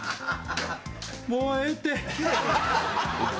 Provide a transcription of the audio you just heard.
もうええて。